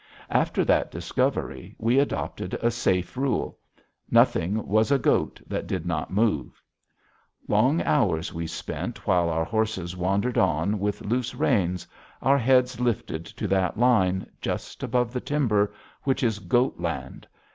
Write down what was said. After that discovery, we adopted a safe rule: nothing was a goat that did not move. Long hours we spent while our horses wandered on with loose reins, our heads lifted to that line, just above the timber, which is Goatland.